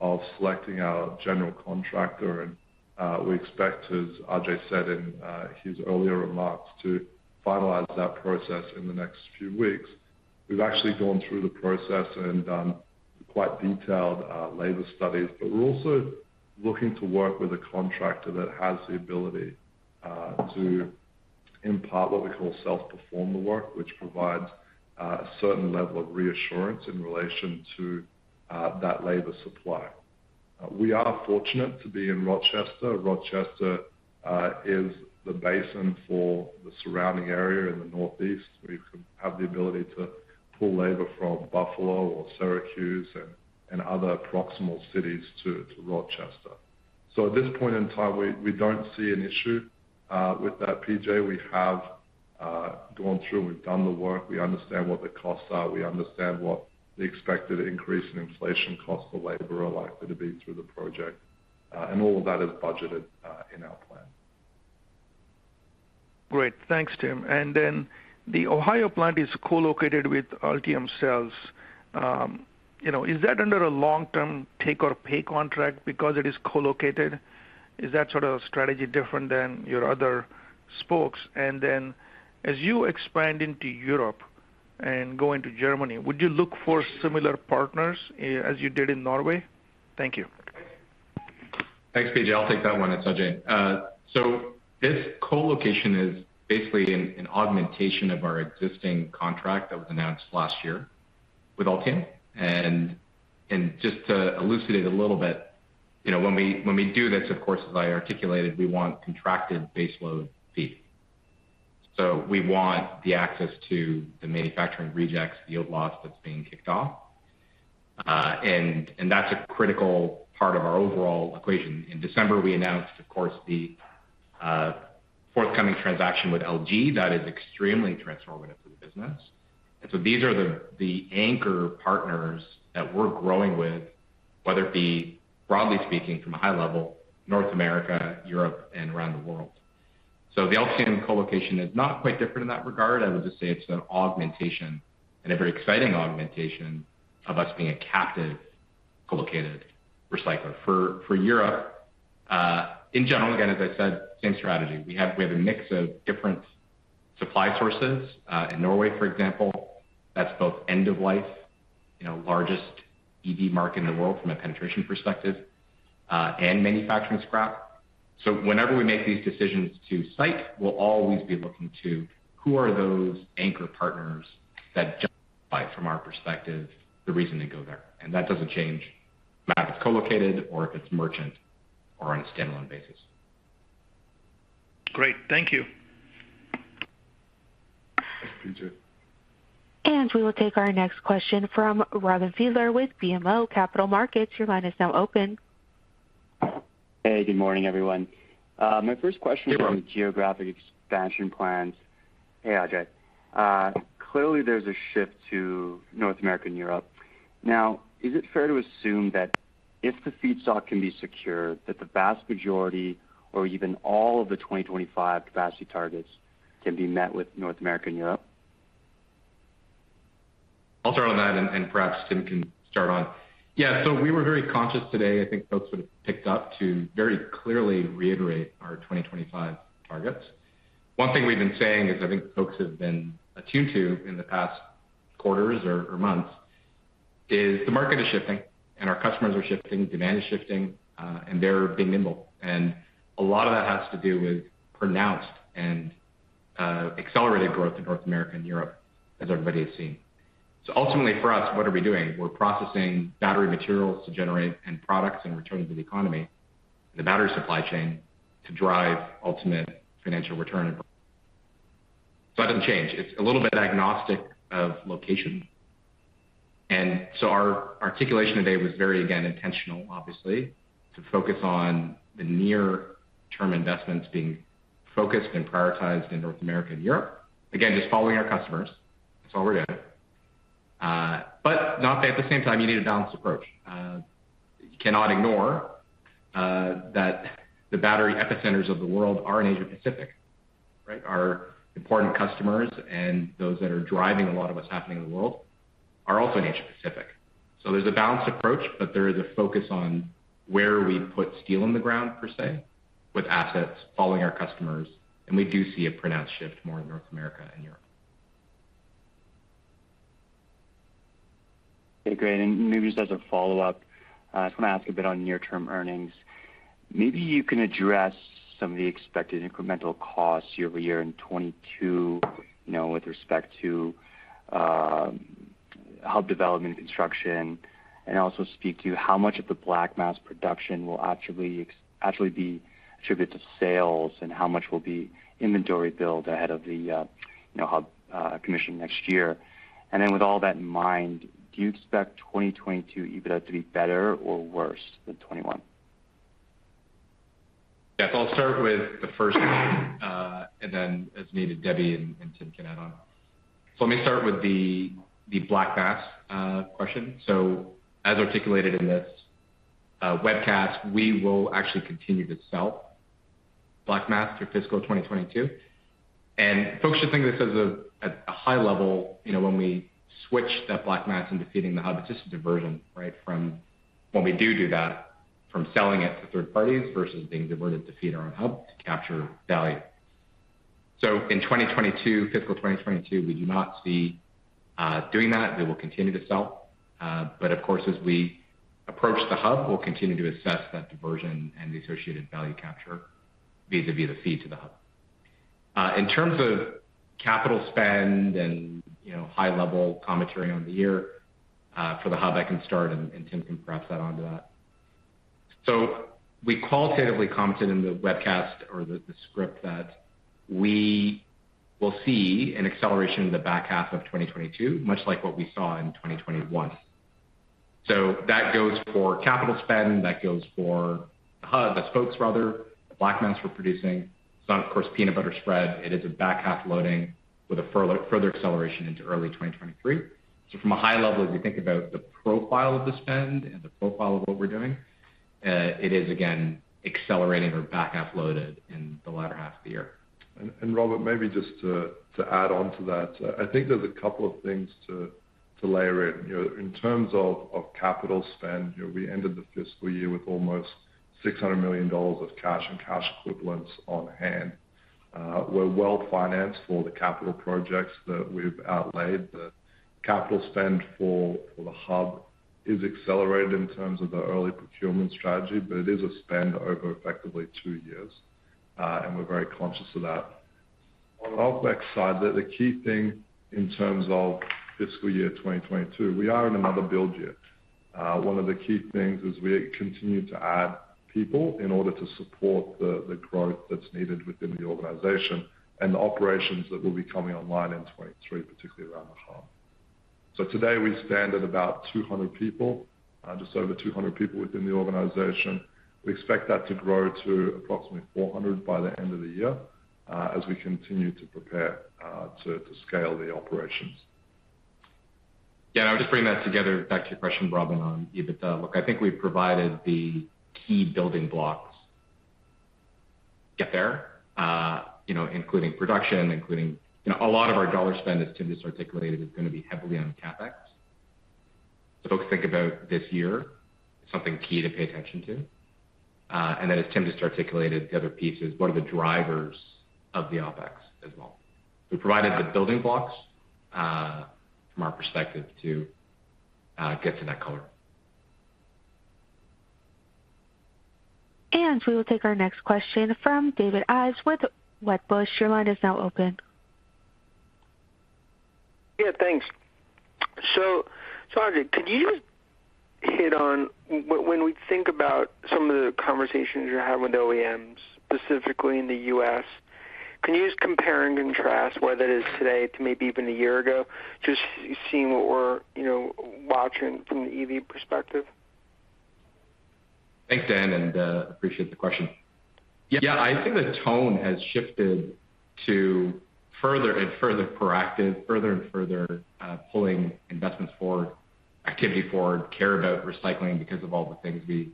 of selecting our general contractor. We expect, as Ajay said in his earlier remarks, to finalize that process in the next few weeks. We've actually gone through the process and done quite detailed labor studies, but we're also looking to work with a contractor that has the ability to impart what we call self-perform the work, which provides a certain level of reassurance in relation to that labor supply. We are fortunate to be in Rochester. Rochester is the basin for the surrounding area in the Northeast. We have the ability to pull labor from Buffalo or Syracuse and other proximal cities to Rochester. At this point in time, we don't see an issue with that, PJ. We have gone through and done the work. We understand what the costs are, we understand what the expected increase in inflation costs of labor are likely to be through the project. All of that is budgeted in our plan. Great. Thanks, Tim. The Ohio plant is co-located with Ultium Cells. Is that under a long-term take or pay contract because it is co-located? Is that sort of strategy different than your other Spokes? As you expand into Europe and go into Germany, would you look for similar partners, as you did in Norway? Thank you. Thanks, PJ. I'll take that one. It's Ajay. This co-location is basically an augmentation of our existing contract that was announced last year with Ultium. Just to elucidate a little bit, you know, when we do this, of course, as I articulated, we want contracted baseload feed. We want the access to the manufacturing rejects, the yield loss that's being kicked off. That's a critical part of our overall equation. In December, we announced, of course, the forthcoming transaction with LG. That is extremely transformative for the business. These are the anchor partners that we're growing with, whether it be, broadly speaking from a high level, North America, Europe, and around the world. The Ultium co-location is not quite different in that regard. I would just say it's an augmentation and a very exciting augmentation of us being a captive co-located recycler. For Europe, in general, again, as I said, same strategy. We have a mix of different supply sources. In Norway, for example, that's both end of life, you know, largest EV market in the world from a penetration perspective, and manufacturing scrap. So whenever we make these decisions to site, we'll always be looking to who are those anchor partners that justify from our perspective, the reason they go there. That doesn't change, if it's co-located or if it's merchant or on a standalone basis. Great. Thank you. Thanks, PJ. We will take our next question from Robin Fiedler with BMO Capital Markets. Your line is now open. Hey, good morning, everyone. My first question. Hey, Robin. This is on geographic expansion plans. Hey, Ajay. Clearly there's a shift to North America and Europe. Now, is it fair to assume that if the feedstock can be secured, that the vast majority or even all of the 2025 capacity targets can be met with North America and Europe? Yeah, we were very conscious today. I think folks would have picked up on very clearly reiterate our 2025 targets. One thing we've been saying is I think folks have been attuned to in the past quarters or months is the market shifting and our customers are shifting, demand is shifting, and they're being nimble. A lot of that has to do with pronounced and accelerated growth in North America and Europe, as everybody has seen. Ultimately, for us, what are we doing? We're processing battery materials to generate end products and return them to the economy, the battery supply chain to drive ultimate financial return. That doesn't change. It's a little bit agnostic of location. Our articulation today was very, again, intentional, obviously, to focus on the near term investments being focused and prioritized in North America and Europe. Again, just following our customers. That's all we're doing. At the same time, you need a balanced approach. You cannot ignore that the battery epicenters of the world are in Asia-Pacific, right? Our important customers and those that are driving a lot of what's happening in the world are also in Asia-Pacific. There's a balanced approach, but there is a focus on where we put steel on the ground per se, with assets following our customers. We do see a pronounced shift more in North America and Europe. Okay, great. Maybe just as a follow-up, I just want to ask a bit on near-term earnings. Maybe you can address some of the expected incremental costs year over year in 2022, you know, with respect to Hub development and construction, and also speak to how much of the black mass production will actually be attributed to sales and how much will be inventory build ahead of the, you know, Hub commissioning next year. Then with all that in mind, do you expect 2022 EBITDA to be better or worse than 2021? Yeah. I'll start with the first one, and then as needed, Debbie and Tim can add on. Let me start with the black mass question. As articulated in this webcast, we will actually continue to sell black mass through fiscal 2022. Folks should think of this as a, at a high level, you know, when we switch that black mass and feeding the Hub, it's just a diversion, right? From when we do that from selling it to third parties versus being diverted to feed our own Hub to capture value. In 2022, fiscal 2022, we do not see doing that. We will continue to sell. But of course, as we approach the Hub, we'll continue to assess that diversion and the associated value capture vis-à-vis the feed to the Hub. In terms of capital spend and, you know, high-level commentary on the year, for the Hub, I can start and Tim can perhaps add on to that. We qualitatively commented in the webcast or the script that we will see an acceleration in the back half of 2022, much like what we saw in 2021. That goes for capital spend, that goes for the Hub, the Spokes rather, the black mass we're producing. It's not, of course, peanut butter spread. It is a back half loading with a further acceleration into early 2023. From a high level, as we think about the profile of the spend and the profile of what we're doing, it is again accelerating or back half loaded in the latter half of the year. Robin, maybe just to add on to that. I think there's a couple of things to layer in. You know, in terms of capital spend, you know, we ended the fiscal year with almost $600 million of cash and cash equivalents on hand. We're well financed for the capital projects that we've outlaid. The capital spend for the Hub is accelerated in terms of the early procurement strategy, but it is a spend over effectively two years, and we're very conscious of that. On OpEx side, the key thing in terms of fiscal year 2022, we are in another build year. One of the key things is we continue to add people in order to support the growth that's needed within the organization and the operations that will be coming online in 2023, particularly around the Hub. Today we stand at about 200 people, just over 200 people within the organization. We expect that to grow to approximately 400 by the end of the year, as we continue to prepare to scale the operations. Yeah. I'll just bring that together back to your question, Robin, on EBITDA. Look, I think we've provided the key building blocks to get there, you know, including production. You know, a lot of our dollar spend, as Tim just articulated, is gonna be heavily on CapEx. Folks think about this year, something key to pay attention to. Then as Tim just articulated, the other piece is what are the drivers of the OpEx as well. We provided the building blocks from our perspective to get to that quarter. We will take our next question from Dan Ives with Wedbush. Your line is now open. Yeah, thanks. Ajay, could you just hit on when we think about some of the conversations you're having with OEMs, specifically in the U.S., can you just compare and contrast where that is today to maybe even a year ago, just seeing what we're, you know, watching from the EV perspective? Thanks, Dan, and appreciate the question. Yeah. I think the tone has shifted to further and further proactive, pulling investments forward, activity forward, care about recycling because of all the things we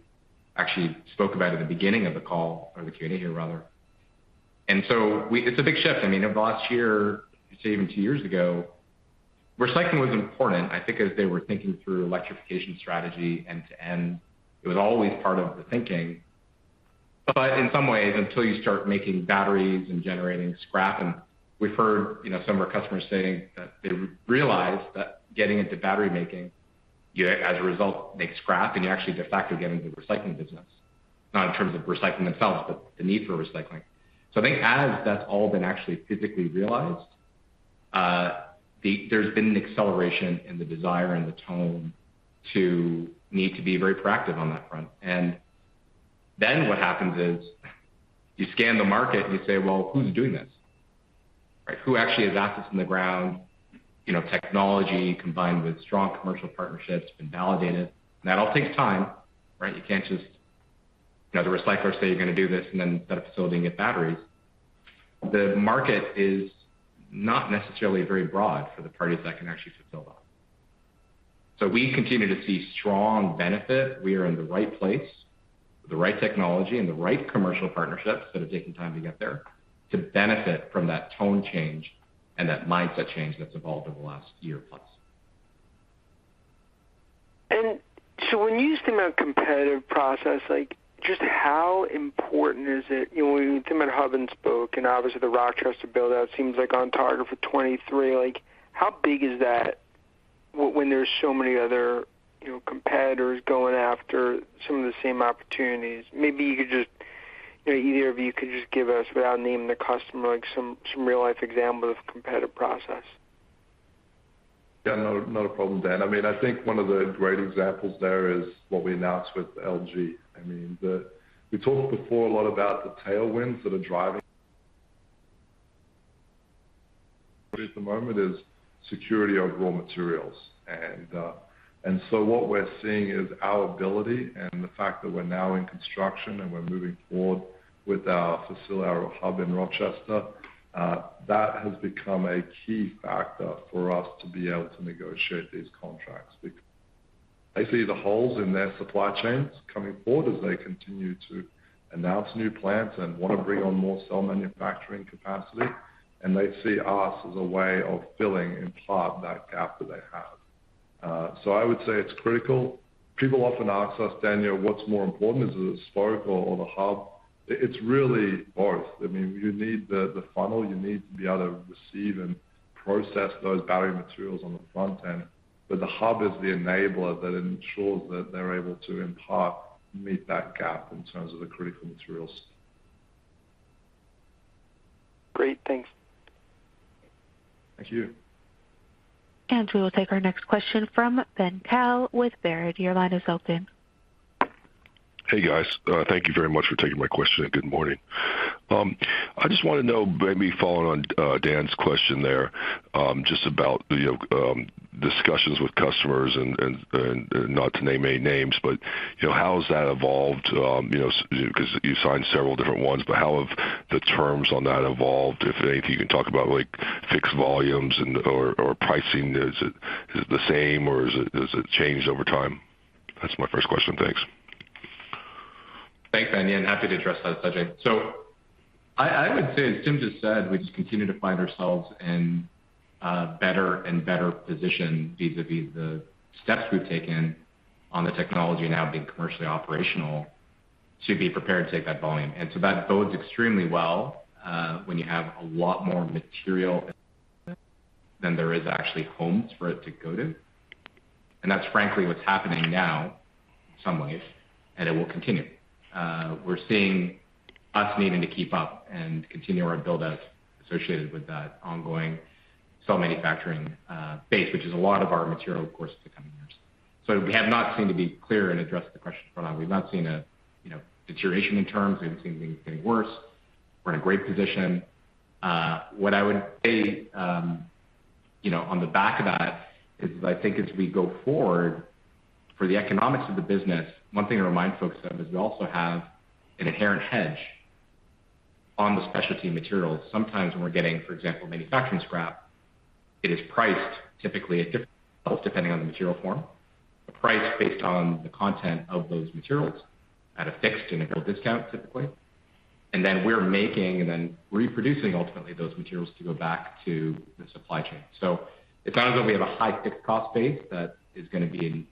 actually spoke about at the beginning of the call or the Q&A here rather. It's a big shift. I mean, if last year, say even two years ago, recycling was important, I think, as they were thinking through electrification strategy end to end, it was always part of the thinking. But in some ways, until you start making batteries and generating scrap, and we've heard, you know, some of our customers saying that they realized that getting into battery making, you as a result, make scrap, and you're actually de facto get into the recycling business. Not in terms of recycling itself, but the need for recycling. So they have that's all been actually physically realized, there's been an acceleration in the desire and the tone to need to be very proactive on that front. Then what happens is you scan the market and you say, "Well, who's doing this?" Right? Who actually has assets in the ground, you know, technology combined with strong commercial partnerships been validated. That all takes time, right? You can't just. The recyclers say you're gonna do this and then set up a facility and get batteries. The market is not necessarily very broad for the parties that can actually fulfill that. We continue to see strong benefit. We are in the right place with the right technology and the right commercial partnerships that have taken time to get there to benefit from that tone change and that mindset change that's evolved over the last year plus. When you speak about competitive process, like just how important is it, you know, when Tim and the Hub spoke, and obviously the Rochester build-out seems like on target for 2023. Like, how big is that when there's so many other, you know, competitors going after some of the same opportunities? Maybe you could just, you know, either of you could just give us without naming the customer, like some real-life examples of competitive process. Yeah. Not a problem, Dan. I mean, I think one of the great examples there is what we announced with LG. I mean, we talked before a lot about the tailwinds that are driving at the moment is security of raw materials. What we're seeing is our ability and the fact that we're now in construction, and we're moving forward with our Hub in Rochester, that has become a key factor for us to be able to negotiate these contracts. They see the holes in their supply chains coming forward as they continue to announce new plants and want to bring on more cell manufacturing capacity, and they see us as a way of filling in part that gap that they have. I would say it's critical. People often ask us, "Daniel, what's more important? Is it the Spoke or the Hub?" It's really both. I mean, you need the funnel. You need to be able to receive and process those battery materials on the front end. The Hub is the enabler that ensures that they're able to, in part, meet that gap in terms of the critical materials. Great. Thanks. Thank you. We will take our next question from Ben Kallo with Baird. Your line is open. Hey, guys. Thank you very much for taking my question. Good morning. I just want to know, maybe following on Dan's question there, just about, you know, discussions with customers and not to name any names, but, you know, how has that evolved, because you signed several different ones, but how have the terms on that evolved? If there anything you can talk about, like fixed volumes and/or pricing. Is it the same or is it changed over time? That's my first question. Thanks. Thanks, Ben. Yeah, happy to address that subject. I would say, as Tim just said, we just continue to find ourselves in a better and better position vis-à-vis the steps we've taken on the technology now being commercially operational to be prepared to take that volume. That bodes extremely well when you have a lot more material than there is actually homes for it to go to. That's frankly what's happening now in some ways, and it will continue. We're seeing us needing to keep up and continue our build-outs associated with that ongoing cell manufacturing base, which is a lot of our material, of course, in the coming years. To be clear and address the question head on, we have not seen. We've not seen you know, a deterioration in terms. We haven't seen things getting worse. We're in a great position. What I would say, you know, on the back of that is I think as we go forward for the economics of the business, one thing to remind folks of is we also have an inherent hedge on the specialty materials. Sometimes when we're getting, for example, manufacturing scrap, it is priced typically at different levels, depending on the material form. The price based on the content of those materials at a fixed and a real discount, typically. And then we're making and then reproducing ultimately those materials to go back to the supply chain. So it's not as though we have a high fixed cost base that is gonna be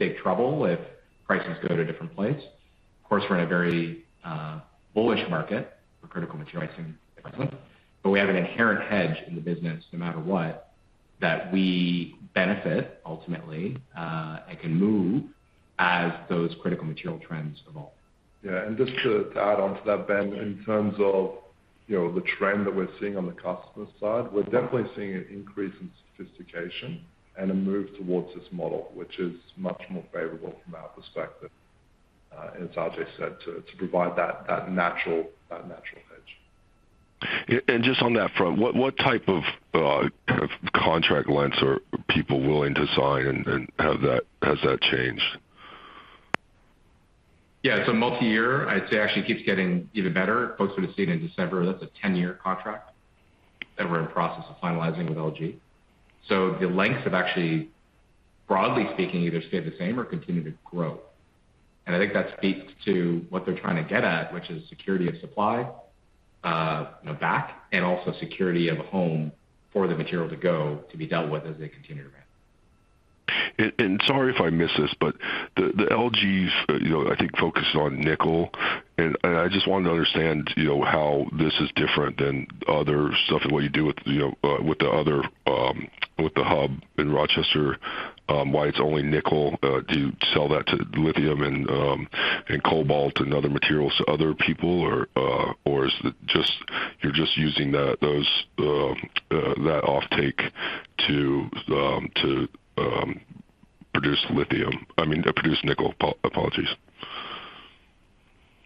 in, you know, big trouble if prices go to a different place. Of course, we're in a very, bullish market for critical material pricing. We have an inherent hedge in the business no matter what, that we benefit ultimately, and can move as those critical material trends evolve. Yeah. Just to add on to that, Ben, in terms of, you know, the trend that we're seeing on the customer side, we're definitely seeing an increase in sophistication and a move towards this model, which is much more favorable from our perspective, as Ajay said, to provide that natural hedge. Just on that front, what type of kind of contract lengths are people willing to sign, and has that changed? Yeah. Multi-year, I'd say actually keeps getting even better. Folks would have seen in December, that's a 10-year contract that we're in process of finalizing with LG. The lengths have actually, broadly speaking, either stayed the same or continued to grow. I think that speaks to what they're trying to get at, which is security of supply, you know, back, and also security of a home for the material to go to be dealt with as they continue to ramp. Sorry if I missed this, but the LG's, you know, I think, focus on nickel. I just wanted to understand, you know, how this is different than other stuff, what you do with, you know, with the other, with the Hub in Rochester, why it's only nickel. Do you sell that to lithium and cobalt and other materials to other people or is it just you're just using that offtake to produce lithium? I mean, produce nickel, apologies.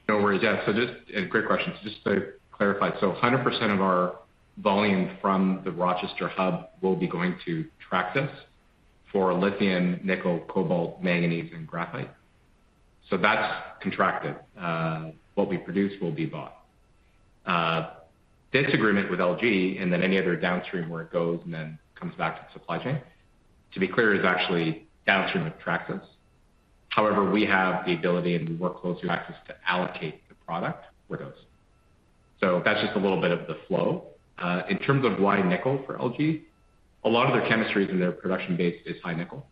No worries. Yeah. Great question. Just to clarify, 100% of our volume from the Rochester Hub will be going to Traxys for lithium, nickel, cobalt, manganese, and graphite. That's contracted. What we produce will be bought. This agreement with LG and then any other downstream where it goes and then comes back to the supply chain, to be clear, is actually downstream of Traxys. However, we have the ability and we work closely with Traxys to allocate the product where it goes. That's just a little bit of the flow. In terms of why nickel for LG, a lot of their chemistries and their production base is high nickel.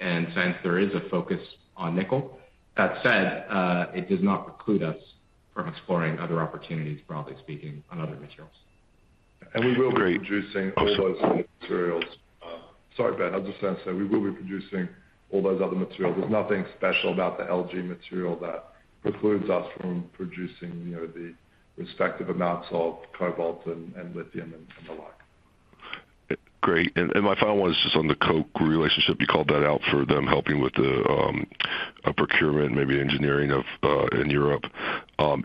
Since there is a focus on nickel. That said, it does not preclude us from exploring other opportunities, broadly speaking, on other materials. We will be producing all those other materials. Sorry, Ben, I was just gonna say, we will be producing all those other materials. There's nothing special about the LG material that precludes us from producing, you know, the respective amounts of cobalt and lithium and the like. Great. My final one is just on the Koch relationship. You called that out for them helping with the a procurement, maybe engineering of in Europe.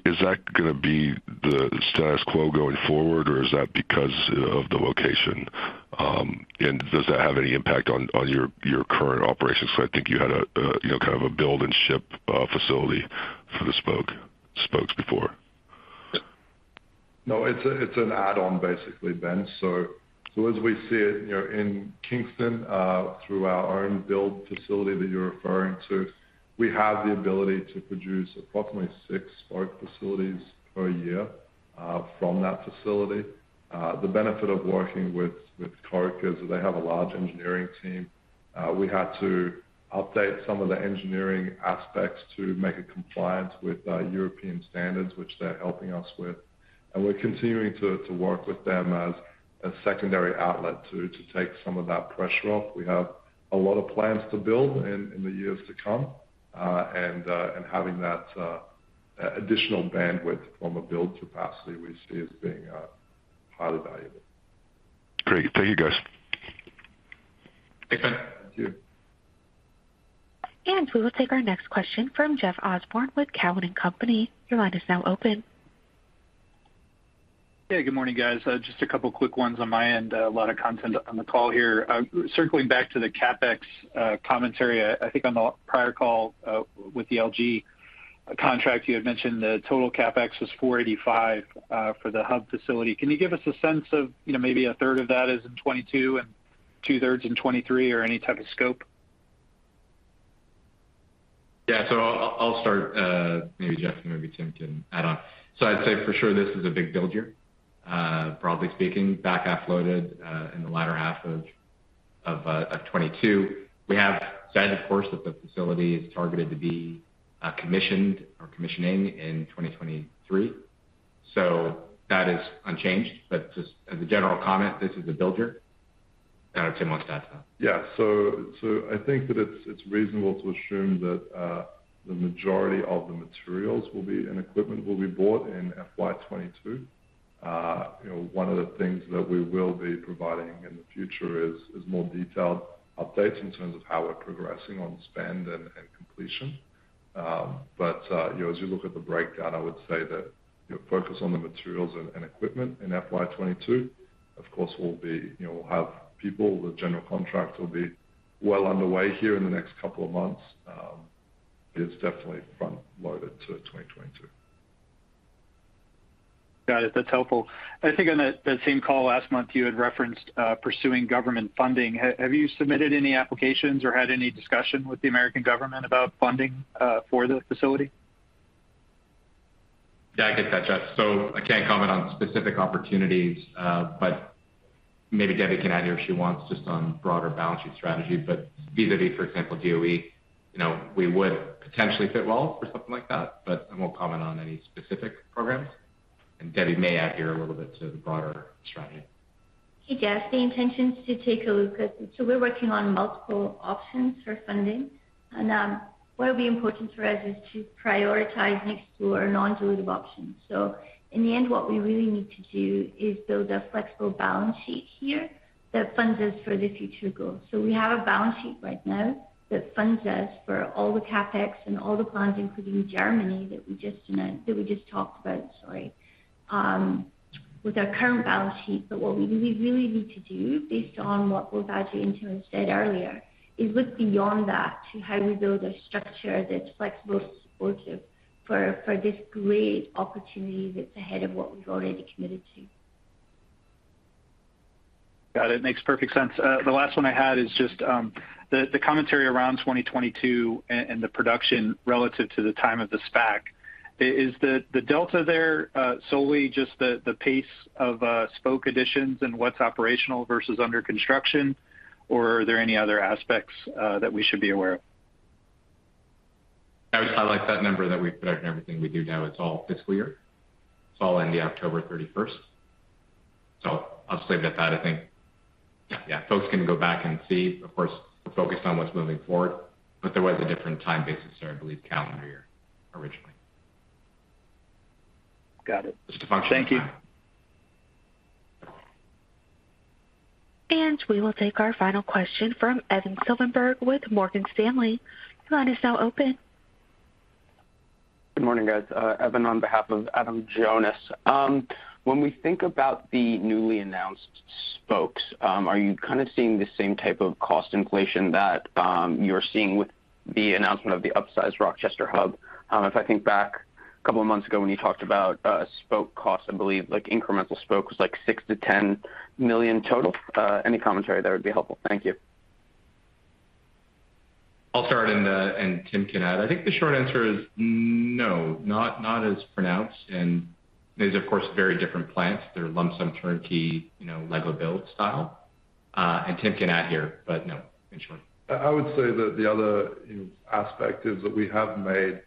Is that gonna be the status quo going forward, or is that because of the location? And does that have any impact on your current operations? I think you had a you know, kind of a build and ship facility for the Spoke, Spokes before. No, it's an add-on basically, Ben. As we see it, you know, in Kingston, through our own build facility that you're referring to, we have the ability to produce approximately six Spoke facilities per year from that facility. The benefit of working with Koch is they have a large engineering team. We had to update some of the engineering aspects to make it compliant with European standards, which they're helping us with. We're continuing to work with them as a secondary outlet to take some of that pressure off. We have a lot of plans to build in the years to come, and having that additional bandwidth from a build capacity we see as being highly valuable. Great. Thank you, guys. Thanks, Ben. Thank you. We will take our next question from Jeff Osborne with Cowen and Company. Your line is now open. Yeah, good morning, guys. Just a couple quick ones on my end. A lot of content on the call here. Circling back to the CapEx commentary, I think on the prior call with the LG contract, you had mentioned the total CapEx was $485 for the hub facility. Can you give us a sense of, you know, maybe a third of that is in 2022 and 2/3 in 2023 or any type of scope? Yeah. I'll start, maybe Jeff and maybe Tim can add on. I'd say for sure this is a big build year, broadly speaking, back half loaded, in the latter half of 2022. We have said, of course, that the facility is targeted to be commissioned or commissioning in 2023. That is unchanged. Just as a general comment, this is a build year. I don't know if Tim wants to add to that. Yeah. I think that it's reasonable to assume that the majority of the materials will be and equipment will be bought in FY 2022. You know, one of the things that we will be providing in the future is more detailed updates in terms of how we're progressing on spend and completion. You know, as you look at the breakdown, I would say that, you know, focus on the materials and equipment in FY 2022. Of course, we'll have people, the general contract will be well underway here in the next couple of months. It's definitely front-loaded to 2022. Got it. That's helpful. I think on that same call last month, you had referenced pursuing government funding. Have you submitted any applications or had any discussion with the American government about funding for the facility? Yeah, I get that, Jeff. I can't comment on specific opportunities, but maybe Debbie can add here if she wants, just on broader balance sheet strategy. Vis-à-vis, for example, DOE, you know, we would potentially fit well for something like that, but I won't comment on any specific programs. Debbie may add here a little bit to the broader strategy. Hey, Jeff. The intention is to take a look at. We're working on multiple options for funding. What will be important for us is to prioritize next to our non-dilutive options. In the end, what we really need to do is build a flexible balance sheet here that funds us for the future goals. We have a balance sheet right now that funds us for all the CapEx and all the plans, including Germany, that we just talked about with our current balance sheet. What we really, really need to do based on what both Ajay and Tim said earlier is look beyond that to how we build a structure that's flexible, supportive for this great opportunity that's ahead of what we've already committed to. Got it. Makes perfect sense. The last one I had is just the commentary around 2022 and the production relative to the time of the SPAC. Is the delta there solely just the pace of Spoke additions and what's operational versus under construction? Or are there any other aspects that we should be aware of? I would highlight that number that we've put out in everything we do now. It's all fiscal year. It's all in the October 31st. So I'll just leave it at that, I think. Yeah. Folks can go back and see. Of course, we're focused on what's moving forward, but there was a different time basis there, I believe calendar year originally. Got it. Just a function of time. Thank you. We will take our final question from Evan Silverberg with Morgan Stanley. Your line is now open. Good morning, guys. Evan on behalf of Adam Jonas. When we think about the newly announced Spokes, are you kind of seeing the same type of cost inflation that you're seeing with the announcement of the upsized Rochester Hub? If I think back a couple of months ago when you talked about Spoke costs, I believe like incremental Spoke was like $6 million-$10 million total. Any commentary there would be helpful. Thank you. I'll start and Tim can add. I think the short answer is no, not as pronounced. These are of course, very different plants. They're lump sum turnkey, you know, Lego build style. Tim can add here, but no, in short. I would say that the other, you know, aspect is that we have made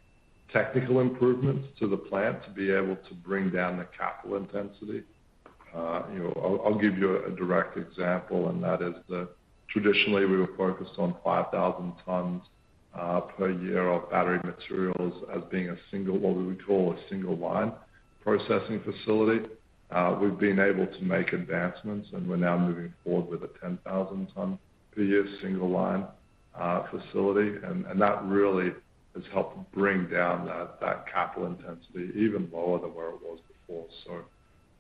technical improvements to the plant to be able to bring down the capital intensity. You know, I'll give you a direct example, and that is that traditionally we were focused on 5,000 tons per year of battery materials as being a single, what we would call a single line processing facility. We've been able to make advancements, and we're now moving forward with a 10,000 ton per year single line facility. That really has helped bring down that capital intensity even lower than where it was before.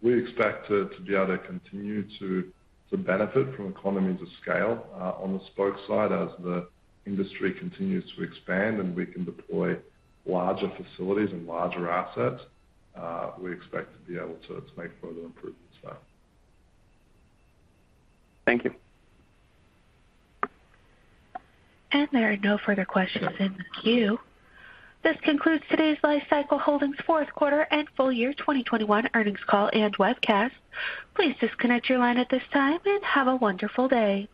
We expect to be able to continue to benefit from economies of scale on the Spoke side as the industry continues to expand and we can deploy larger facilities and larger assets. We expect to be able to make further improvements. Thank you. There are no further questions in the queue. This concludes today's Li-Cycle Holdings Fourth Quarter and Full Year 2021 Earnings Call and Webcast. Please disconnect your line at this time and have a wonderful day.